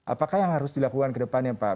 apakah yang harus dilakukan ke depannya pak